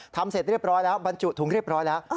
เสร็จเรียบร้อยแล้วบรรจุถุงเรียบร้อยแล้ว